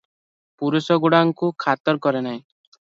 ପୁରୁଷଗୁଡ଼ାଙ୍କୁ ଖାତର କରେ ନାହିଁ ।